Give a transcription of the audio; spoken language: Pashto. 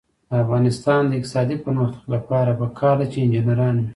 د افغانستان د اقتصادي پرمختګ لپاره پکار ده چې انجنیران وي.